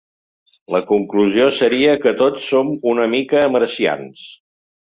La conclusió seria que tots som una mica marcians.